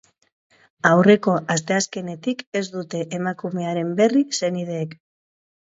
Aurreko asteazkenetik ez dute emakumearen berri senideek.